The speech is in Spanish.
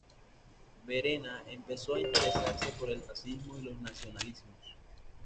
Verena empezó a interesarse por el racismo y los nacionalismos.